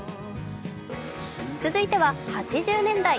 続いては８０年代。